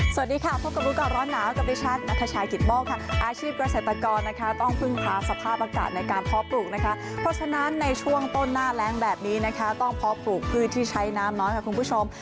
สวัสดีค่ะพบกับรู้ก่อนร้อนหนาวกับดิฉันนัทชายกิตโมกค่ะอาชีพเกษตรกรนะคะต้องพึ่งพาสภาพอากาศในการเพาะปลูกนะคะเพราะฉะนั้นในช่วงต้นหน้าแรงแบบนี้นะคะต้องเพาะปลูกพืชที่ใช้น้ำน้อยค่ะคุณผู้ชม